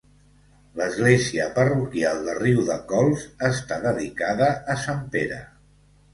L'església parroquial de Riudecols està dedicada a sant Pere.